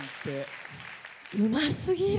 うますぎる。